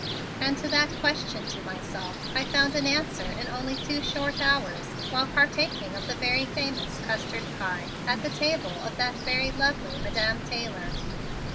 And to that question to myself I found an answer in only two short hours while partaking of the very famous custard pie at the table of that very lovely Madam Taylor.